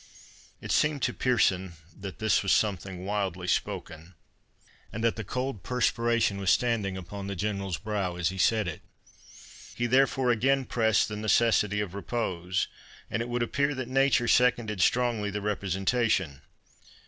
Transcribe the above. It seemed to Pearson that this was something wildly spoken, and that the cold perspiration was standing upon the General's brow as he said it. He therefore again pressed the necessity of repose, and it would appear that nature seconded strongly the representation.